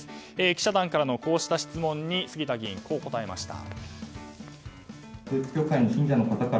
記者団からのこうした質問にこう答えました。